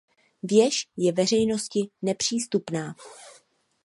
Věž je veřejnosti nepřístupná.